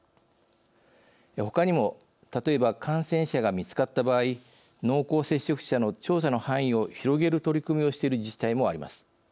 ほかにも、例えば感染者が見つかった場合濃厚接触者の調査の範囲を広げる取り組みをしている自治体もあります。